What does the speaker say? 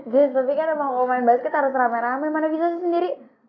jess tapi kan kalau mau main basket harus ramai ramai mana bisa sendiri